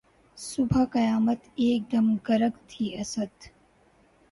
صبح قیامت ایک دم گرگ تھی اسدؔ